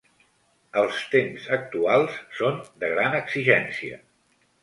Els temps actuals són de gran exigència.